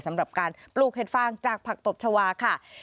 สำหรับการปลูกเห็ดฟางจากผักตบชาวาค่ะ